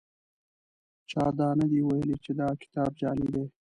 چا دا نه دي ویلي چې دا کتاب جعلي دی.